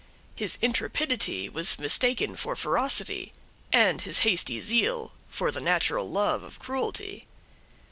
His intrepidity was mistaken for ferocity; and his hasty zeal, for the natural love of cruelty.